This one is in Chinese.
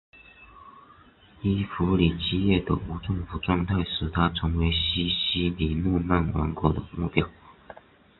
伊弗里基叶的无政府状态使它成为西西里诺曼王国的目标。